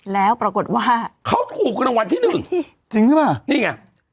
แล้วปรากฏว่าเขาถูกรางวัลที่หนึ่งจริงใช่ป่ะนี่ไง